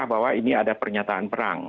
bahwa ini ada pernyataan perang